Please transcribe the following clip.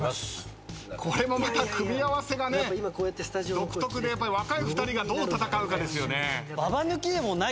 これもまた組み合わせが独特で若い２人がどう戦うかですよね。